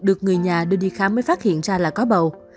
được người nhà đưa đi khám mới phát hiện ra là có bầu